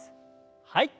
はい。